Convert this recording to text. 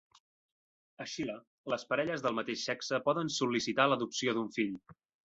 A Xile, les parelles del mateix sexe poden sol·licitar l'adopció d'un fill.